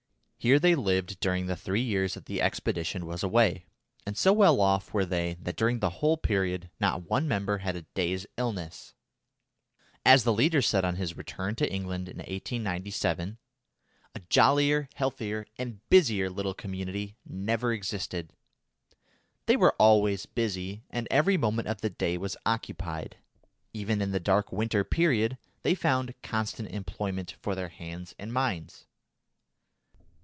Here they lived during the three years that the expedition was away, and so well off were they that during the whole period not one member had a day's illness. As the leader said on his return to England in 1897, "a jollier, healthier, and busier little community never existed." They were always busy, and every moment of the day was occupied. Even in the dark winter period they found constant employment for their hands and minds.